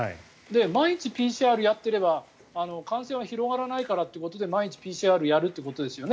毎日ＰＣＲをやっていれば感染は広がらないからということで毎日ＰＣＲをやるってことですよね